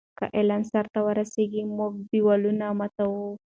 که علم سرته ورسیږي، موږ دیوالونه ماتوو.